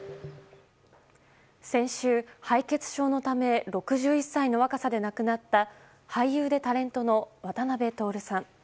先週、敗血症のため６１歳の若さで亡くなった俳優でタレントの渡辺徹さん。